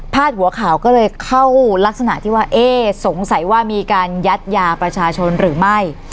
หัวข่าวก็เลยเข้ารักษณะที่ว่าเอ๊ะสงสัยว่ามีการยัดยาประชาชนหรือไม่